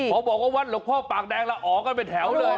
พอบอกว่าวัดหลวงพ่อปากแดงละอ๋อกันเป็นแถวเลย